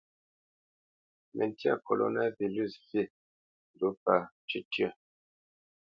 Mǝ́ntya koloná vilʉsǝ fi ndú pǝ́ cywítyǝ́.